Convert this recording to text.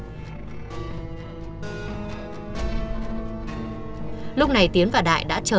ngọc rủ anh phong đến phường canh dương uống nước và mồi trài anh phong trở qua một bãi đất hoang